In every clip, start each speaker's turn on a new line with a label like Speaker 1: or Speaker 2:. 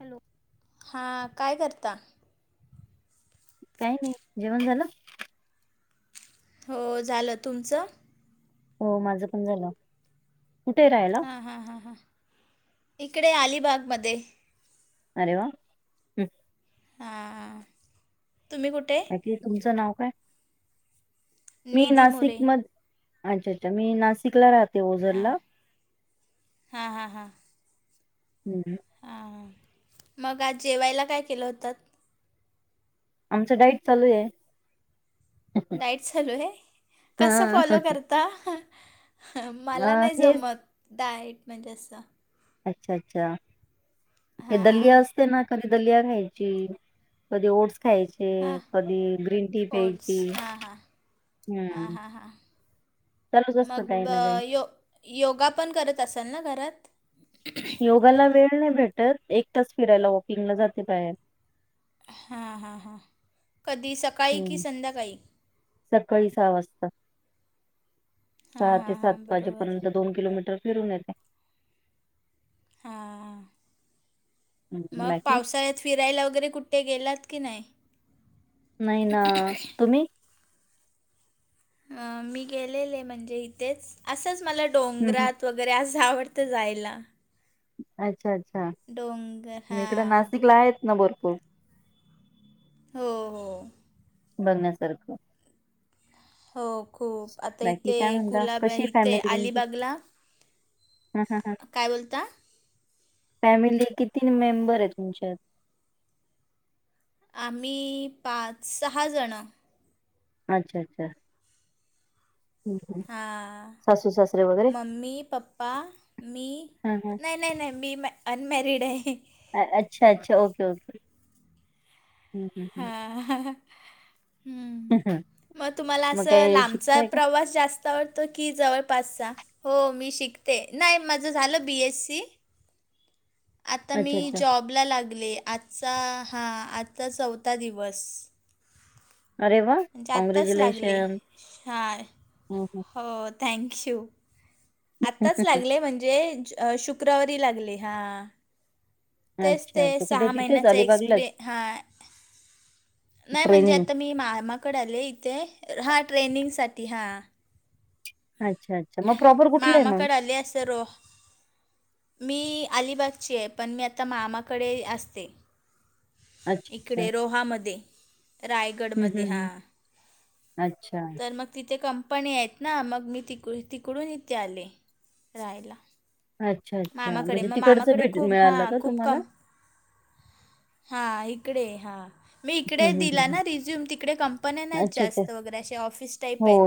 Speaker 1: Hello
Speaker 2: हां कायं करतां
Speaker 1: कांहीं नाहीं जेवणं झालं
Speaker 2: हो झालं तुमचं
Speaker 1: हो माझं पणं झालं कुंठे राहिलां
Speaker 2: हां हां हां हां इकडे अलिबांगमध्यें
Speaker 1: अरे वां
Speaker 2: हां तुम्हीं कुंठे
Speaker 1: तुमचं नांव कायं मी
Speaker 2: निधी
Speaker 1: नाशिक
Speaker 2: मोरे
Speaker 1: मं अच्छा अच्छा मी नाशिकला राहते ओझर
Speaker 2: हां
Speaker 1: लां
Speaker 2: हां हां हां
Speaker 1: हम्.
Speaker 2: हां, हा मग आज जेवायला काय केलं होतात?
Speaker 1: आमचं डाईट चालूय.
Speaker 2: डाईट चालूय, कसं
Speaker 1: हा
Speaker 2: फॉलो करता? मला
Speaker 1: अं,
Speaker 2: नाही
Speaker 1: हेच
Speaker 2: जमत, डाएट म्हणजे असं.
Speaker 1: अच्छा, अच्छा. ते
Speaker 2: हां
Speaker 1: दल्लीया असते ना. कधी दलिया खायची, कधी ओट्स खायची.
Speaker 2: हां
Speaker 1: ते कधी ग्रीन टी
Speaker 2: ओट्स
Speaker 1: प्यायची,
Speaker 2: हां हां हां
Speaker 1: हम्म.
Speaker 2: हां हां
Speaker 1: चालूच असत
Speaker 2: मग
Speaker 1: काय ना
Speaker 2: अ,
Speaker 1: काही.
Speaker 2: यो योगा पण करत असाल ना घरात?
Speaker 1: योगाला वेळ नाही भेटत, एक तास फिरायला वॉकिंगला जाते बाहेर.
Speaker 2: हां, हां, हां कधी सकाळी की
Speaker 1: हम्म
Speaker 2: संध्याकाळी?
Speaker 1: सकाळी सहा वाजता.
Speaker 2: हां
Speaker 1: सहा ते
Speaker 2: हां
Speaker 1: सात
Speaker 2: हां बरोबर
Speaker 1: वाजेपर्यंत दोन किलोमीटर फिरून येत.
Speaker 2: हां
Speaker 1: हम्म
Speaker 2: मग
Speaker 1: बाकी
Speaker 2: पावसाळ्यात फिरायला वगैरे कुठे गेलात की नाही?
Speaker 1: नाही ना तुम्ही?
Speaker 2: अ, मी गेलेले म्हणजे इथेच, असंच मला
Speaker 1: हम्म हम्म
Speaker 2: डोंगरात वगै वगैरे असं आवडतं जायला.
Speaker 1: अच्छा, अच्छा
Speaker 2: डोंगर
Speaker 1: म, इकड
Speaker 2: हां
Speaker 1: नाशिकला आहेत ना भरपूर.
Speaker 2: हो, हो.
Speaker 1: बघण्यासारखं.
Speaker 2: हो खूप, आता
Speaker 1: बाकी
Speaker 2: इथे
Speaker 1: काय म्हणता
Speaker 2: कुलाबा
Speaker 1: कशी
Speaker 2: इथे
Speaker 1: फॅमिली तुमची?
Speaker 2: अलिबागला.
Speaker 1: हा हा हा
Speaker 2: काय बोलता?
Speaker 1: फॅमिली किती मेंबर आहेत तुमच्यात?
Speaker 2: आम्ही पाच, सहा जण.
Speaker 1: अच्छा, अच्छा हम्म हम्म
Speaker 2: हां,
Speaker 1: सासू सासरे वगैरे?
Speaker 2: मम्मी, पप्पा, मी
Speaker 1: हा हा
Speaker 2: नाही नाही, नाही मी मॅ अनमॅरिड हाय.
Speaker 1: आ, अच्छा, अच्छा ओके, ओके. हम्म
Speaker 2: हा,
Speaker 1: हम्म
Speaker 2: हं. हम्म.
Speaker 1: [unintelligible]
Speaker 2: मग, तुम्हाला
Speaker 1: मग
Speaker 2: असं
Speaker 1: काय
Speaker 2: लांबचा
Speaker 1: शिकताय का?
Speaker 2: प्रवास जास्त आवडतो की जवळ पासचा? हो मी शिकते नाही माझं झालं बी. एस. सी. आता मी
Speaker 1: अच्छा अच्छा
Speaker 2: जॉबला लागले. आजचा हा, आजचा चौथा दिवस.
Speaker 1: अरे, वा
Speaker 2: म्हणजे आताच लागले,
Speaker 1: कॉँग्रॅच्युलेशन.
Speaker 2: हा न
Speaker 1: हम्म हम्म
Speaker 2: हो, हो थँक्यू आत्ताच लागले म्हणजे शुक्रवारी लागले हा. तेच ते,
Speaker 1: अच्छा अच्छा कुठे
Speaker 2: सहा
Speaker 1: तिथेच
Speaker 2: महिन्याच एक्सपिर
Speaker 1: अलिबागलाच
Speaker 2: हा नाही म्हणजे
Speaker 1: ट्रेनिंग?
Speaker 2: आता मी मामाकडे आले इथे, हा ट्रेनिंग साठी हा.
Speaker 1: अच्छा, अच्छा मग प्रॉपर कुठलं आहे मग?
Speaker 2: अल्या- सरोह मी अलिबागचीय, पण मी आता मामाकडे असते.
Speaker 1: अच्छा, अच्छा.
Speaker 2: इकडे रोहामध्ये,
Speaker 1: हं,
Speaker 2: रायगडमध्ये
Speaker 1: हं,
Speaker 2: हा.
Speaker 1: हं. अच्छा.
Speaker 2: तर मग तिथे कंपनी आहेत ना? मग मी तिक तिकडून इथे आले राहायला.
Speaker 1: अच्छा! अच्छा.
Speaker 2: मामाकडे
Speaker 1: म्हणजे
Speaker 2: मग
Speaker 1: तिकडचं
Speaker 2: मामाकडे
Speaker 1: भेट
Speaker 2: खूप हा
Speaker 1: मिळालं का
Speaker 2: खूप
Speaker 1: तुम्हाला?
Speaker 2: कम हा इकडे हा. मी इकडे
Speaker 1: हं, हं, हं,
Speaker 2: दिला
Speaker 1: हं.
Speaker 2: ना रिझ्यूम तिकडे कंपन्या नाही
Speaker 1: अच्छा, अच्छा.
Speaker 2: जास्त वगैरे असे ऑफिस टाईप
Speaker 1: हो.
Speaker 2: आहेत.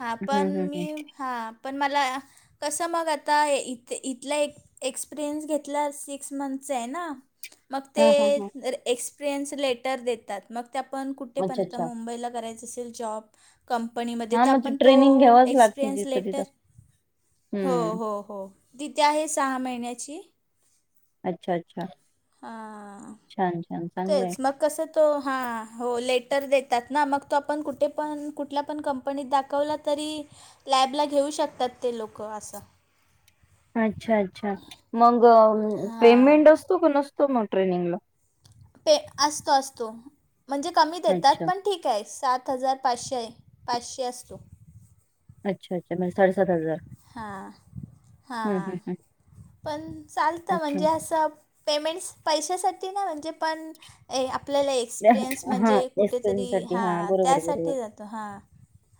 Speaker 2: हा
Speaker 1: हं,
Speaker 2: पण
Speaker 1: हं, हं.
Speaker 2: मी हा पण मला कसं मग आता इथे इ इथला एक एक्स्पिरियन्स घेतल्या सिक्स मंन्थचा आहे ना? मग ते
Speaker 1: हां, हां, हां.
Speaker 2: एक्स पिरियन्स लेटर देतात. मग ते आपण कुठे पण
Speaker 1: अच्छा,
Speaker 2: आता
Speaker 1: अच्छा.
Speaker 2: मुंबईला करायचं असेल जॉब कंपनीमध्ये
Speaker 1: हां,
Speaker 2: तर
Speaker 1: मग ती
Speaker 2: आपण तो
Speaker 1: ट्रेनिंग घ्यावीच लागते
Speaker 2: एक्सपिरियन्स
Speaker 1: जिथं
Speaker 2: लेटर
Speaker 1: तिथं.
Speaker 2: हो
Speaker 1: हं.
Speaker 2: हो हो. ती आहे सहा महिन्याची.
Speaker 1: अच्छा! अच्छा!
Speaker 2: हां.
Speaker 1: छान! छान. चांगलं आहे.
Speaker 2: तेच मग कस तो हा हो लेटर देतात. ना मग तो आपण कुठे पण कुठल्या पण कंप कंपनीत दाखवला तरी लॅबला घेऊ शकतात ते लोकं असं
Speaker 1: अच्छा! अच्छा! मग
Speaker 2: हां
Speaker 1: पेमेंट असतो का नसतो मग ट्रेनिंगला?
Speaker 2: पे असतो असतो म्हणजे कमी देतात
Speaker 1: अच्छा.
Speaker 2: पण ठीक ठीक आहे सात हजार पाचशे, पाचशे असतो.
Speaker 1: अच्छा अच्छा म्हणजे साडे सात हजार.
Speaker 2: हा हा पण चालतं
Speaker 1: अच्छा.
Speaker 2: म्हणजे असं पेमेंट्स पैशासाठी ना म्हणजे पण आपल्याला एक एक्सपिरियन्स
Speaker 1: हां,
Speaker 2: म्हणजे कुठेतरी
Speaker 1: एक्सपिरियन्ससाठी.
Speaker 2: हा
Speaker 1: हां. बरोबर, बरोबर.
Speaker 2: त्यासाठी जातो हा.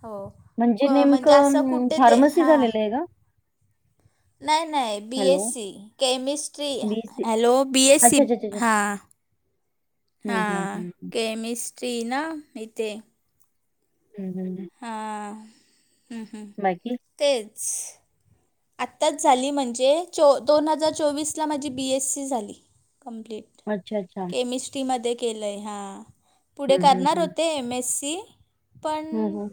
Speaker 2: हो
Speaker 1: नेमकं
Speaker 2: म्हणजे असं
Speaker 1: अं,
Speaker 2: कुठे दे
Speaker 1: फार्मसी
Speaker 2: हा
Speaker 1: झालेलं आहे का?
Speaker 2: नाही - नाही B
Speaker 1: hello,
Speaker 2: S C. Chemistry.
Speaker 1: B C
Speaker 2: hello! B S
Speaker 1: अच्छा,
Speaker 2: सी
Speaker 1: अच्छा, अच्छा, अच्छा.
Speaker 2: हा. हा
Speaker 1: हं, हं, हं, हं.
Speaker 2: केमिस्ट्री ना इथे
Speaker 1: हं हं हं
Speaker 2: हं हं
Speaker 1: बाकी?
Speaker 2: तेच. आत्ताच झाली म्हणजे चो दोन हजार चोवीसला माझी बी एस सी झाली कंप्लीट.
Speaker 1: अच्छा! अच्छा!
Speaker 2: फ़्री मध्ये केलय हा. पुढे
Speaker 1: हं, हं,
Speaker 2: करणार होते एम एस सी पण
Speaker 1: हम्म ह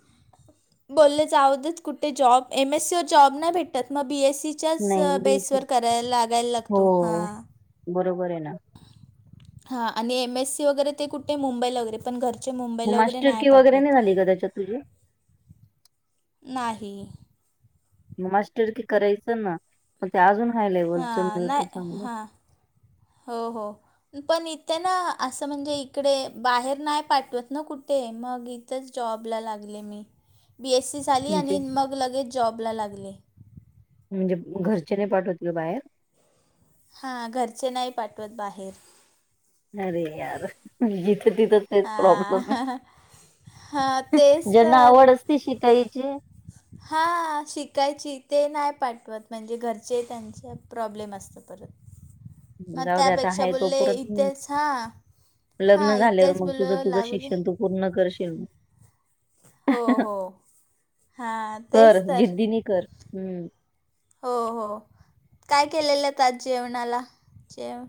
Speaker 2: बोलले जावुदे त कुठे जॉब एमएससी व जॉब नाही भेटत मग बीएससी
Speaker 1: नाही
Speaker 2: च्याच
Speaker 1: बी-सी
Speaker 2: बेसवर कराय लागायला
Speaker 1: हो,
Speaker 2: लागतो हा.
Speaker 1: बरोबर आहे ना.
Speaker 2: हा आणि एम एस सी वगैरे ते कुठे मुंबईला वगैरे पण घरचे मुंबईला वगैरे नाही पाठवत.
Speaker 1: दादाच्या तुझी
Speaker 2: नाही.
Speaker 1: म मास्टर की करायचं ना मग ते अजून हाय लेवलचं
Speaker 2: हां
Speaker 1: मिळतं
Speaker 2: नाही
Speaker 1: चांगलं
Speaker 2: हां हो हो. पण इथे ना असं म्हणजे इकडे बाहेर नाही पाठवत ना कुठे मग - - तेच जॉबला लागले मी बी एस सी झाली
Speaker 1: म्हणजे
Speaker 2: आणि मग लगेच जॉबला लागले.
Speaker 1: म्हणजे घरचे नाही पाठवत का बाहेर?
Speaker 2: हा घरचे नाही पाठवत बाहेर.
Speaker 1: अरे यार जिथे तिथं तेच प्रॉब्लेम आहे.
Speaker 2: हां हां तेच
Speaker 1: ज्यांना आवड असते शिकायची
Speaker 2: हा शिकायची ते नाही पाठवत म्हणजे घरचे त्यांचे प्रॉब्लेम असते. मग
Speaker 1: जाऊ दे आता
Speaker 2: त्यापेक्षा
Speaker 1: आहे
Speaker 2: बोलले
Speaker 1: तोपर्यंत
Speaker 2: इथेच हा
Speaker 1: लग्न
Speaker 2: हा
Speaker 1: झाल्यावर
Speaker 2: इथेच
Speaker 1: मग तुझं
Speaker 2: बोलले
Speaker 1: तुझं
Speaker 2: लागू दे.
Speaker 1: शिक्षण तू पूर्ण करशील.
Speaker 2: हो हो हां
Speaker 1: कर
Speaker 2: तेच तर
Speaker 1: जिद्दी नी कर, हम्म.
Speaker 2: हो हो काय केलेलं आता जेवणाला जेव?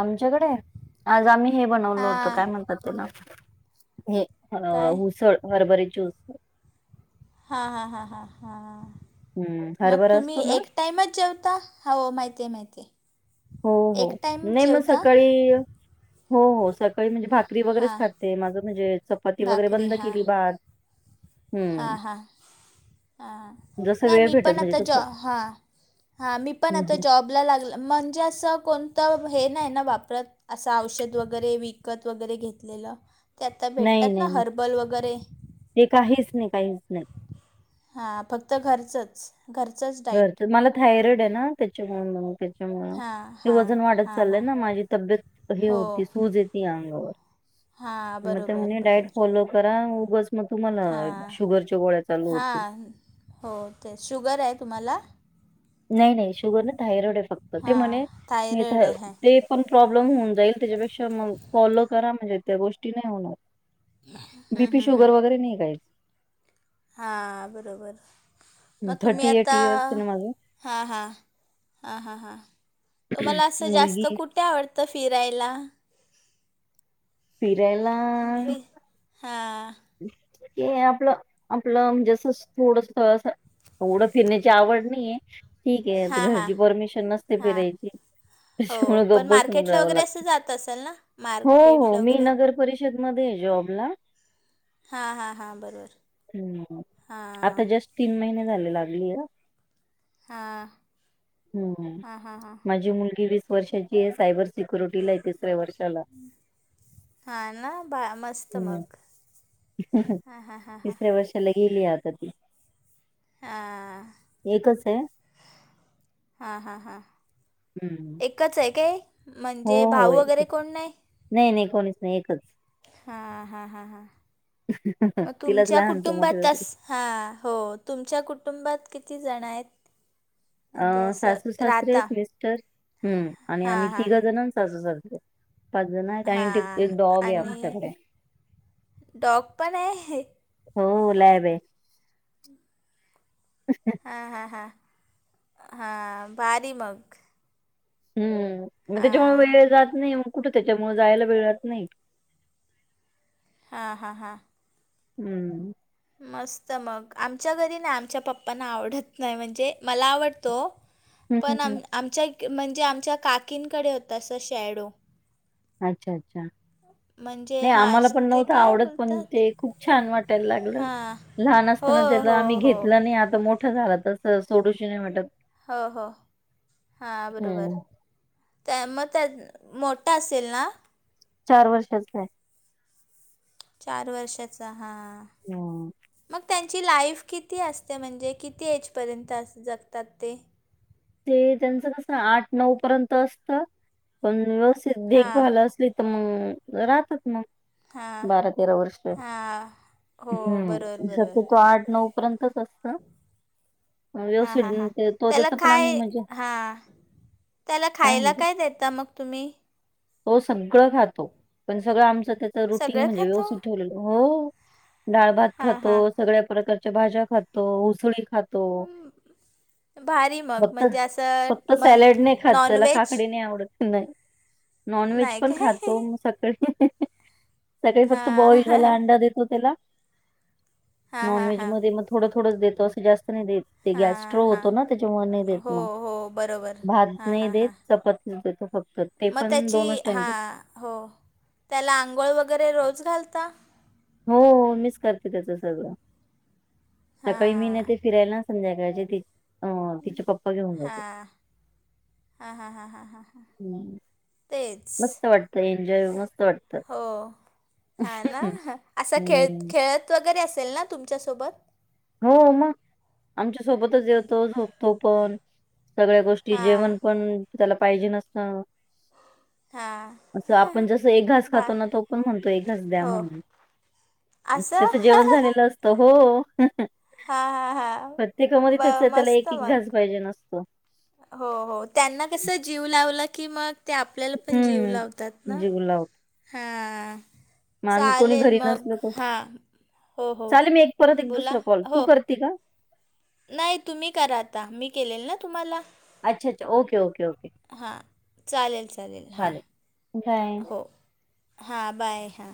Speaker 1: आमच्याकडे आज आम्ही हे बनवलो होतं
Speaker 2: हां
Speaker 1: काय म्हणतात त्याला हे
Speaker 2: काय
Speaker 1: ऊसळ हरभऱ्याची ऊसळ.
Speaker 2: हां हां हां हां हां
Speaker 1: हम्म
Speaker 2: मग
Speaker 1: हरभरा
Speaker 2: तुम्ही
Speaker 1: असतो ना
Speaker 2: एक टाइमच जेवता हो माहिती आहे माहिती आहे.
Speaker 1: हो हो
Speaker 2: एक टाईम
Speaker 1: नाही मग
Speaker 2: जेवता
Speaker 1: सकाळी हो हो सकाळी म्हणजे भाकरी वगैरेच
Speaker 2: हां
Speaker 1: खाते माझं म्हणजे चपाती वगैरे बंद केली भात.
Speaker 2: हा
Speaker 1: हम्म
Speaker 2: हा. [inaudible] हां
Speaker 1: जसं
Speaker 2: नाही
Speaker 1: वेळ
Speaker 2: मी
Speaker 1: भेटल
Speaker 2: पण
Speaker 1: म्हणजे
Speaker 2: आता जॉ,
Speaker 1: तसं
Speaker 2: हां हां मी पण
Speaker 1: हम्म
Speaker 2: आता
Speaker 1: हम्म.
Speaker 2: जॉब बला लागलं म्हणजे असं कोणतं हे नाही ना वापरत असं औषध वगैरे विकत वगैरे घेतलेलं ते आता
Speaker 1: नाही
Speaker 2: भेटतात ना
Speaker 1: नाही नाही
Speaker 2: हर्बल वगैरे.
Speaker 1: ते काहीच नाही काहीच नाही.
Speaker 2: हा फक्त घरचच. घरचंच. डाईट
Speaker 1: घरच मला थायरॉइड आहे ना त्याच्या त्यामुळ
Speaker 2: हां
Speaker 1: हे
Speaker 2: हां
Speaker 1: वजन वाढत
Speaker 2: हां
Speaker 1: चाललंय
Speaker 2: हां
Speaker 1: ना माझी तब्येत हे
Speaker 2: हो
Speaker 1: होती सूज येते अंगावर.
Speaker 2: हां
Speaker 1: मग ते
Speaker 2: बरोबर
Speaker 1: म्हणे डाएट
Speaker 2: बरोबर.
Speaker 1: फॉलो करा उगच मग तुम्हाला
Speaker 2: हां
Speaker 1: शुगरच्या गोळ्या चालू होतील.
Speaker 2: हां हो ते शुगर आहे तुम्हाला?
Speaker 1: नाही नाही शुगर ना थायरॉइड आहे फक्त ते
Speaker 2: हां
Speaker 1: म्हणे
Speaker 2: थायरॉईड आहे
Speaker 1: ते पण प्रॉब्लेम होऊन जाईल त्याच्यापेक्षा मग फॉलो करा म्हणजे त्या गोष्टी नाही होणार. बीपी शुगर वगैरे नाही काय.
Speaker 2: हां बरोबर मग तुम्ही
Speaker 1: थर्टी एट
Speaker 2: आता
Speaker 1: इयर्स आहे ना माझं
Speaker 2: हां हां, हां हां हां तुम्हाला असं जास्त
Speaker 1: मुलगी
Speaker 2: कुठे आवडत- त फिरायला?
Speaker 1: फिरायला
Speaker 2: फि हां.
Speaker 1: ते आपलं आपलं म्हणजे अस थोडस स एवढं फिरण्याची आवड नाहीये ठीक आहे तर
Speaker 2: हां हां
Speaker 1: घरची परमिशन नसते
Speaker 2: हां
Speaker 1: फिरायची.
Speaker 2: हो
Speaker 1: त्याचेमुळे गप्प
Speaker 2: पण
Speaker 1: बसुन
Speaker 2: मार्केटला
Speaker 1: जाव
Speaker 2: वगैरे
Speaker 1: लागत,
Speaker 2: असं जात असेल ना
Speaker 1: हो हो
Speaker 2: मार्केटला
Speaker 1: मी
Speaker 2: वगैरे
Speaker 1: नगर परिषद [unintelligible] मध्ये जॉब ला,
Speaker 2: हा हा हा बरोबर.
Speaker 1: हम्,
Speaker 2: हां
Speaker 1: आता जस्ट तीन महिने झाले लागलीय.
Speaker 2: हां
Speaker 1: हम्,
Speaker 2: हां हां हां
Speaker 1: माझी मुलगी वीस वर्षाची आहे सायबर सिक्युरिटीला आहे तिसऱ्या वर्षाला.
Speaker 2: हा ना बा मस्त
Speaker 1: हम्म.
Speaker 2: मग. हां हां हां हां
Speaker 1: तिसऱ्या वर्षाला गेली आता ती.
Speaker 2: हा.
Speaker 1: एकच आहे.
Speaker 2: हा हा हा.
Speaker 1: हम्म.
Speaker 2: एकच ए के... म्हणजे... भाऊ वगैरे कोण नाई?
Speaker 1: नाई नाई... कोणीच नाई... एकच.
Speaker 2: हा... हा... हा... ह.... मग
Speaker 1: तिलाच
Speaker 2: तुमच्या
Speaker 1: लहानचं
Speaker 2: कुटुंबात अ?
Speaker 1: मोठे
Speaker 2: हां... हो... तुमच्या कुटुंबात किती जण हेत?
Speaker 1: अं... सासू सासरे हेत,
Speaker 2: राहता
Speaker 1: मिस्टर... हम्म... आणि आम्ही
Speaker 2: हां हां
Speaker 1: तिघं जणं... आणि सासू सासरे. पाचजण आहेत.... आणि... टी...
Speaker 2: हां
Speaker 1: एक डॉग आहे
Speaker 2: आणि
Speaker 1: आमच्याकडे.
Speaker 2: डॉग पण आहे
Speaker 1: हो... लॅब ए... अंहं.
Speaker 2: हां... हां... हांहां... भारी मग.
Speaker 1: हम्म... मग...
Speaker 2: हां
Speaker 1: त्याच्यामुळे वेळ जात नई... मग कुठं त्याच्यामुळं जायला मिळत नाई.
Speaker 2: हा हा हां,
Speaker 1: हम्म.
Speaker 2: मस्त मग... आमच्या घरी ना... आमच्या पप्पांना आवडत नाई... म्हणजे मला आवडतो.
Speaker 1: हं, हं,
Speaker 2: पण... आ...
Speaker 1: हं.
Speaker 2: आमच्या म्हणजे... आमच्या काकींकडे होता असा शॅडो.
Speaker 1: अच्छा... अच्छा...
Speaker 2: म्हणजे
Speaker 1: नाई....
Speaker 2: हां
Speaker 1: आम्हाला पण
Speaker 2: ते
Speaker 1: नव्हतं
Speaker 2: काय
Speaker 1: आवडत... पण
Speaker 2: बोलतात
Speaker 1: ते खूप छान वाटायला लागलं...
Speaker 2: हां
Speaker 1: लहान
Speaker 2: हो
Speaker 1: असताना त्याला आम्ही
Speaker 2: हो हो
Speaker 1: घेतलं नई... आता मोठ -ठा झालं... तसं सोडूशी नाई वाटत.
Speaker 2: हो... हो... हा
Speaker 1: हं.
Speaker 2: बरोबर. त्या... मग... त्या... मोठा असेल ना?
Speaker 1: चार वर्षाचा ए.
Speaker 2: चार वर्षाचा... हां...
Speaker 1: हं.
Speaker 2: मग? त्यांची लाईफ किती असते? म्हणजे... किती एजपर्यंत असं जगतात ते?
Speaker 1: ते त्यांच कसं... आठ नऊ पर्यंत असतं... पण व्य ते
Speaker 2: हां
Speaker 1: देखभाल असली... तर मग राहतात मग...
Speaker 2: हां
Speaker 1: बारा तेरा वर्ष.
Speaker 2: हां हो
Speaker 1: हम्म...
Speaker 2: बरोबर बरोबर
Speaker 1: शक्य तो आठ नऊ पर्यंतच असतं. हं... व्यवस्थित [unintelligible]
Speaker 2: खाय... हां... त्याला खायला काय देता मग तुम्ही?
Speaker 1: तो सगळं खातो... पण सगळं आमचं... त्याच रुटीन
Speaker 2: सगळं
Speaker 1: म्हणजे...
Speaker 2: खातो
Speaker 1: व्यवस्थित ठेवलं... हो. डाळ भात
Speaker 2: हां
Speaker 1: खातो...
Speaker 2: हां
Speaker 1: सगळ्या प्रकारच्या भाज्या खातो.... उसळी खातो.
Speaker 2: [inaudible] भारी मग...
Speaker 1: फक्त
Speaker 2: म्हणजे असं
Speaker 1: फक्त
Speaker 2: मग...
Speaker 1: सॅलड नाही खात
Speaker 2: नॉन व्हेज?
Speaker 1: नॉन व्हेज पण खातो... मग सकाळी... हीही. सकाळी फक्त
Speaker 2: हां
Speaker 1: बॉईलवाला अंडा देतो त्याला
Speaker 2: हां
Speaker 1: नॉन
Speaker 2: हां
Speaker 1: व्हेज
Speaker 2: हां
Speaker 1: मध्ये मग... थोडं थोडंच देतो... असं जास्त नाही देत. ते
Speaker 2: हां
Speaker 1: गॅस्ट्रो
Speaker 2: हां
Speaker 1: होतो ना... त्याच्यामुळे नाही देत
Speaker 2: हो
Speaker 1: मग...
Speaker 2: हो बरोबर
Speaker 1: भात
Speaker 2: हां
Speaker 1: नाही
Speaker 2: हां
Speaker 1: देत...
Speaker 2: हां
Speaker 1: चपाती [unintelligible]
Speaker 2: मग त्याची... हा... हो.... त्याला आंघोळ वगैरे रोज घालता?
Speaker 1: हो... मीच करते त्याचं सगळं. सकाळी मी
Speaker 2: हां
Speaker 1: नेते फिरायला... संध्याकाळचे ते.
Speaker 2: हां.... हाहा... हाहाहा.
Speaker 1: [inaudible] मस्त वाटतं... एन्जॉय... मस्त वाटतं.
Speaker 2: हा ना.. असं खेळ...
Speaker 1: हम्म
Speaker 2: खेळत वगैरे असेल ना.... तुमच्यासोबत?
Speaker 1: हो मग... आमच्या सोबतच.. जेवतो... झोपतो पण. सगळ्या गोष्टी...
Speaker 2: हां
Speaker 1: जेवण पण... त्याला पाहिजेन असतं.
Speaker 2: हां
Speaker 1: असं आपण जसं एक घास
Speaker 2: बा
Speaker 1: खातो ना तो पण म्हणतो एक घास द्या
Speaker 2: हो
Speaker 1: म्हणून.
Speaker 2: असं
Speaker 1: त्याचं जेवण झालेलं असत हो.
Speaker 2: हां हां हां
Speaker 1: प्रत्येकामध्ये
Speaker 2: ब
Speaker 1: त्याचा त्याला
Speaker 2: मस्त
Speaker 1: एक एक
Speaker 2: मग
Speaker 1: घास पाहिजेन आसतो.
Speaker 2: हो हो त्यांना कस जीव लावला की मग ते आपल्याला पण जीव
Speaker 1: हम्म.
Speaker 2: लावतात ना
Speaker 1: जीव लावतो.
Speaker 2: हां.
Speaker 1: मग आम्ही कोणी
Speaker 2: चालेल
Speaker 1: घरी
Speaker 2: मग
Speaker 1: नसलो तर
Speaker 2: हा हो हो बोला हो.
Speaker 1: तिला.
Speaker 2: नाही तुम्ही करा आता मी केलेल ना तुम्हाला.
Speaker 1: अच्छा अच्छा ओके ओके ओके
Speaker 2: हां चालेल हां
Speaker 1: चालेल ठिकाय.
Speaker 2: हा बाय हा.